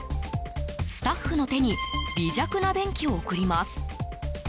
スタッフの手に微弱な電気を送ります。